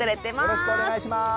よろしくお願いします。